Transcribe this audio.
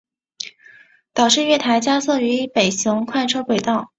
岛式月台加设于北行快车轨道。